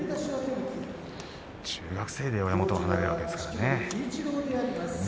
中学生で親元を離れるわけですからね。